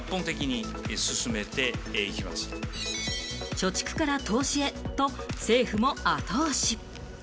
貯蓄から投資へと、政府も後押し。